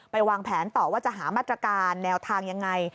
วางแผนต่อว่าจะหามาตรการแนวทางยังไง